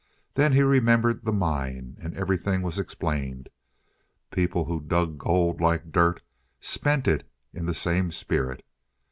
Then he remembered the mine and everything was explained. People who dug gold like dirt spent it in the same spirit.